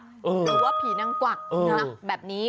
หรือว่าผีนางกวักแบบนี้